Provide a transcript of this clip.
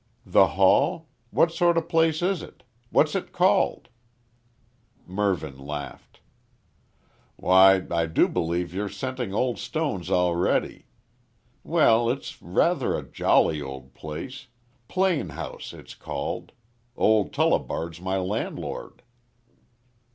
"The Hall? What sort of place is it? What's it called?" Mervyn laughed. "Why I do believe you're scenting old stones already. Well, it's rather a jolly old place, Plane House it's called. Old Tullibard's my landlord."